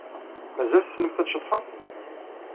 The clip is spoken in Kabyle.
Mazal tessnemt ad tceḍḥemt?